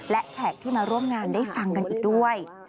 และแขกที่มาร่วมงานได้ฟังกันอีกด้วย